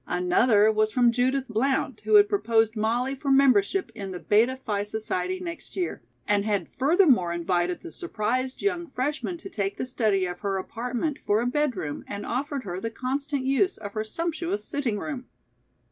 Another was from Judith Blount, who had proposed Molly for membership in the Beta Phi Society next year, and had furthermore invited the surprised young freshman to take the study of her apartment for a bedroom and offered her the constant use of her sumptuous sitting room.